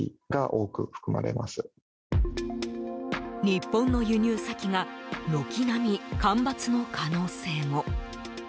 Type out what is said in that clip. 日本の輸入先が軒並み、干ばつの可能性も。